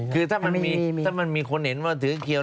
คือถ้ามันมีถ้ามันมีคนเห็นว่าถือเขียว